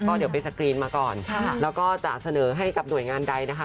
เดี๋ยวไปสกรีนมาก่อนแล้วก็จะเสนอให้กับหน่วยงานใดนะคะ